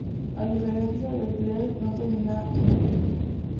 A diferencia de る, no termina en bucle.